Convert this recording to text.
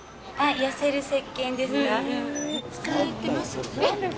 痩せるせっけんですか？